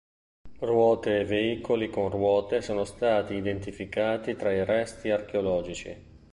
Ruote e veicoli con ruote sono stati identificati tra i resti archeologici.